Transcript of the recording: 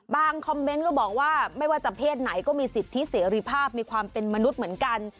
คอมเมนต์ก็บอกว่าไม่ว่าจะเพศไหนก็มีสิทธิเสรีภาพมีความเป็นมนุษย์เหมือนกัน